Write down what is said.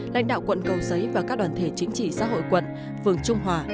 lãnh đạo quận cầu giấy và các đoàn thể chính trị xã hội quận phường trung hòa